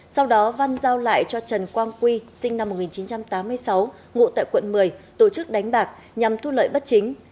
sau đó văn giao lại cho trần quang quy sinh năm một nghìn chín trăm tám mươi sáu ngụ tại quận một mươi tổ chức đánh bạc nhằm thu lợi bất chính